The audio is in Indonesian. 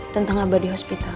tentang abadi hospital